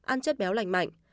ăn chất béo lành mạnh